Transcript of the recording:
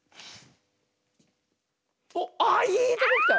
おっああいいとこきた！